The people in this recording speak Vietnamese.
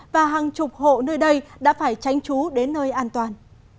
và hàng chục hộ nơi đây đã phải tránh trú đến nơi an toàn